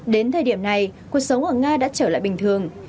đến thời điểm này cuộc sống ở nga đã trở lại bình thường